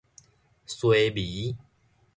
衰微